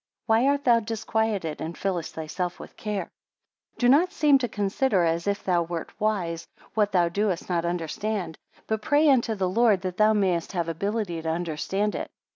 Why art thou disquieted, and fillest thyself with care? 19 Do not seem to consider, as if thou wert wise, what thou doest not understand, but pray unto the Lord, that thou mayest have ability to understand it.